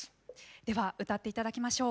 では歌っていただきましょう。